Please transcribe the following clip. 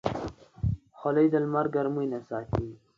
خولۍ د لمر ګرمۍ نه ساتي.